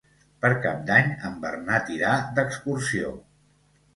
Per Cap d'Any en Bernat irà d'excursió.